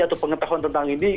atau pengetahuan tentang ini